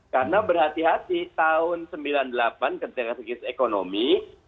karena berhati hati tahun seribu sembilan ratus sembilan puluh delapan ketika sekis ekonomi